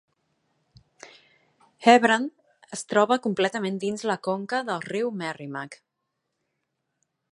Hebron es troba completament dins la conca del riu Merrimack.